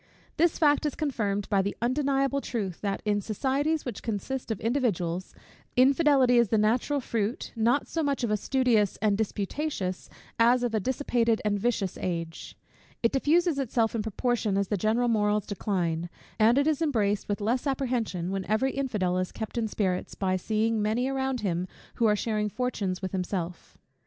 This fact is confirmed by the undeniable truth, that in societies, which consist of individuals, infidelity is the natural fruit, not so much of a studious and disputatious, as of a dissipated and vicious age. It diffuses itself in proportion as the general morals decline; and it is embraced with less apprehension, when every infidel is kept in spirits, by seeing many around him who are sharing fortunes with himself.